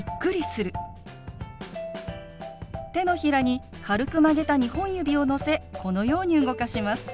手のひらに軽く曲げた２本指をのせこのように動かします。